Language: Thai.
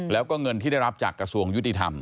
แล้วก็เงินที่ได้รับจากกระทรวงยุติธรรม